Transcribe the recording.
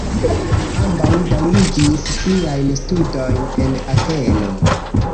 Ambaŭ daŭrigis siajn studojn en Ateno.